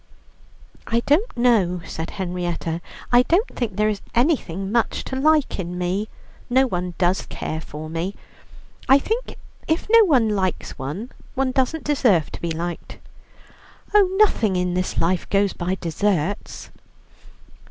"I don't know," said Henrietta; "I don't think there is anything much to like in me. No one does care for me. I think if no one likes one, one doesn't deserve to be liked." "Oh, nothing in this life goes by deserts."